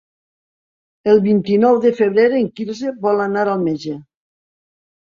El vint-i-nou de febrer en Quirze vol anar al metge.